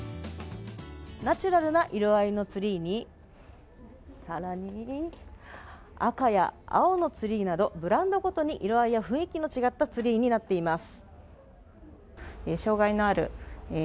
ナチュラルな色合いのツリーにさらに赤や青のツリーなどブランドごとに色合いや雰囲気の違ったツリーになっています。